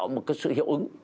nó tạo một cái sự hiệu ứng